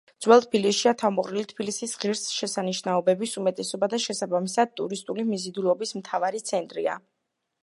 ძველ თბილისშია თავმოყრილი თბილისის ღირსშესანიშნაობების უმეტესობა და შესაბამისად, ტურისტული მიზიდულობის მთავარი ცენტრია.